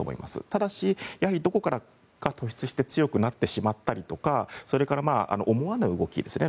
ただし、どこかが突出して強くなってしまったりとかそれから、思わぬ動きですね。